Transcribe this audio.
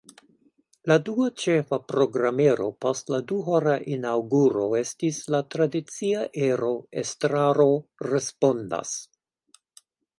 La dua ĉefa programero post la duhora inaŭguro estis la tradicia ero “Estraro respondas”.